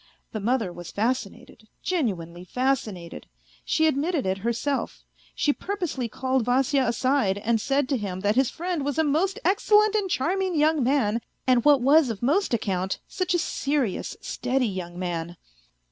The mother was fascinated, genuinely fascinated; she admitted it herself; she purposely called Vasya aside, and said to him that his friend was a most excellent and charming young man, and, what was of most account, such a serious, steady young man.